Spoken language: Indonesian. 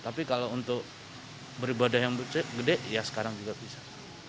tapi kalau untuk beribadah yang gede ya sekarang juga bisa